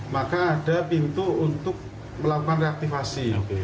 maka ada pintu untuk melakukan reaktivasi